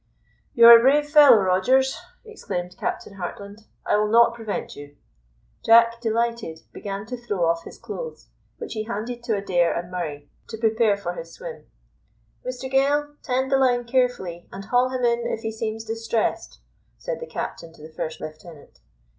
"You are a brave fellow, Rogers," exclaimed Captain Hartland; "I will not prevent you." Jack, delighted, began to throw off his clothes, which he handed to Adair and Murray, to prepare for his swim. "Mr Gale, tend the line carefully, and haul him in if he seems distressed," said the captain to the first lieutenant.